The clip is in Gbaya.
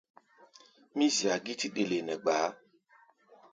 Mí zia gítí ɗele nɛ gbaá.